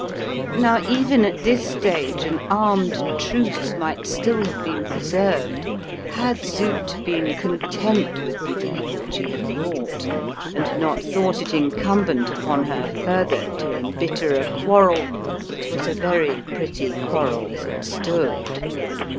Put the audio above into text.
Now, even at this stage, an armed truce might still have been preserved, had Zut been content with the evil she had wrought, and not thought it incumbent upon her further to embitter a quarrel that was a very pretty quarrel as it stood.